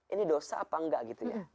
ini dosa apa enggak gitu ya